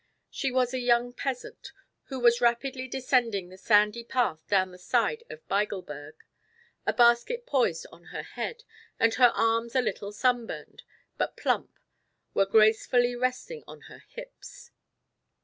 She was a young peasant, who was rapidly descending the sandy path down the side of Bigelberg, a basket poised on her head, and her arms a little sunburned, but plump, were gracefully resting on her hips.